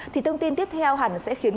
thì thông tin tiếp theo hẳn sẽ khiến